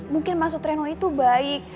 mungkin maksud reno itu baik